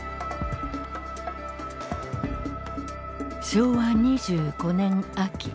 昭和２５年秋。